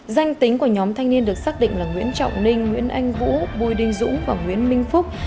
danh tính của nhóm thanh niên được xác định là nguyễn trọng ninh nguyễn anh vũ bùi đinh dũng và nguyễn minh phúc